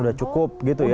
udah cukup gitu ya